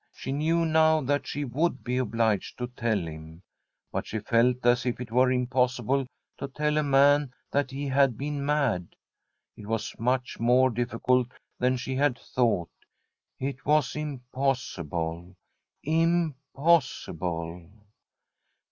She knew now that she would be obliged to tell him. But she felt as if it were impossible to tell a man that he had been mad. It was much more difficult than she had thought. It was im possible — impossible